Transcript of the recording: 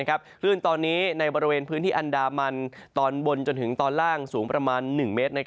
คลื่นตอนนี้ในบริเวณพื้นที่อันดามันตอนบนจนถึงตอนล่างสูงประมาณ๑เมตร